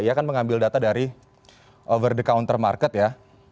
ia kan mengambil data dari over the counter market ya